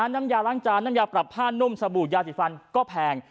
น้ำยาล้างจานน้ำยาปรับผ้านุ่มสบู่ยาสีฟันก็แพง